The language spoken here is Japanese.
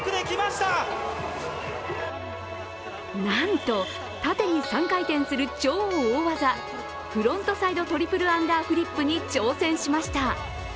なんと縦に３回転する超大技、フロントサイドトリプルアンダーフリップに挑戦しました。